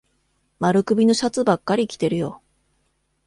丸首のシャツばっかり着てるよ。